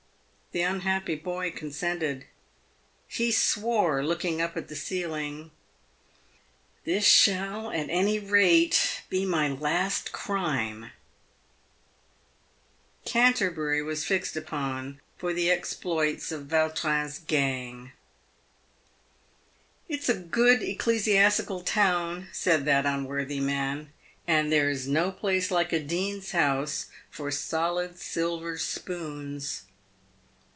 The unhappy boy consented. He swore, looking up at the ceiling, " This shall, at any rate, be my last crime !" Canterbury was fixed upon for the exploits of Vautrin's gang. " It's a good ecclesiastical town," said that unworthy man, " and there is no place like a dean's house for solid silver spoons."